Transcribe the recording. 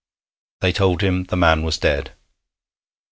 They told him the man was dead.